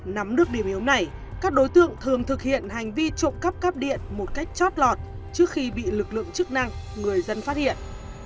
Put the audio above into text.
nắm được điểm yếu này các đối tượng thường thực hiện hành vi trộm cắp cáp điện một cách chót lọt trước khi bị lực lượng chức năng người dân phát hiện